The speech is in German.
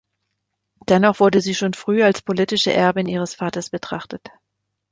Dennoch wurde sie schon früh als politische Erbin ihres Vaters betrachtet.